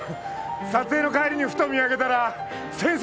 撮影の帰りにふと見上げたら先生